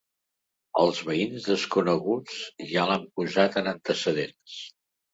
Els veïns desconeguts ja l'han posat en antecedents.